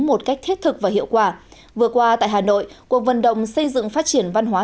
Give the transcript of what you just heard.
một cách thiết thực và hiệu quả vừa qua tại hà nội cuộc vận động xây dựng phát triển văn hóa